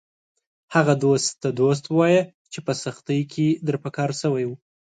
هغه دوست ته دوست ووایه چې په سختۍ کې در په کار شوی و